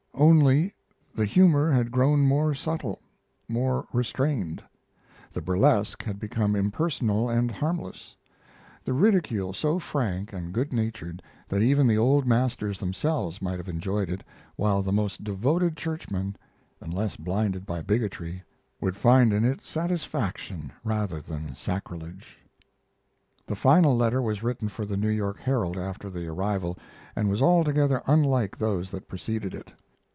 Only, the humor had grown more subtle, more restrained; the burlesque had become impersonal and harmless, the ridicule so frank and good natured, that even the old masters themselves might have enjoyed it, while the most devoted churchman, unless blinded by bigotry, would find in it satisfaction, rather than sacrilege. The final letter was written for the New York Herald after the arrival, and was altogether unlike those that preceded it.